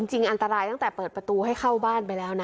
จริงอันตรายตั้งแต่เปิดประตูให้เข้าบ้านไปแล้วนะ